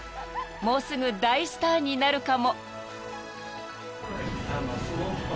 もうすぐ大スターになるかも］